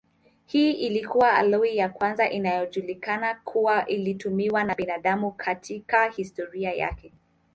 Hii ilikuwa aloi ya kwanza inayojulikana kuwa ilitumiwa na binadamu katika historia yake.